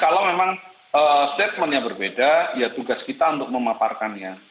kalau memang statementnya berbeda ya tugas kita untuk memaparkannya